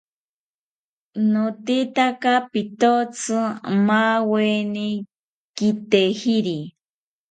Notetaka pitotzi maaweni kitejiri